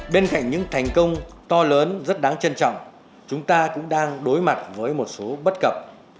bên cạnh những thành công to lớn rất đáng trân trọng chúng ta cũng đang đối mặt với một số bất cập